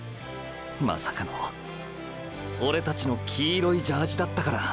まさかのオレたちの黄色いジャージだったから。